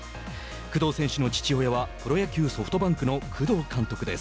工藤選手の父親はプロ野球ソフトバンクの工藤監督です。